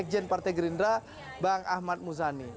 sekjen partai gerindra bang ahmad muzani